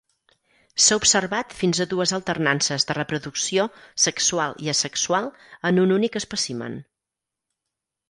S'ha observat fins a dues alternances de reproducció sexual i asexual en un únic espècimen.